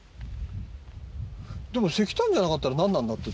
でも石炭じゃなかったらなんなんだっていう。